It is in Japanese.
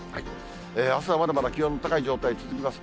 あすはまだまだ気温高い状態、続きます。